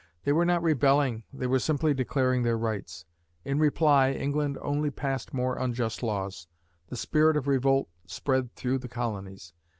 They were not rebelling, they were simply declaring their rights. In reply, England only passed more unjust laws. The spirit of revolt spread through the colonies.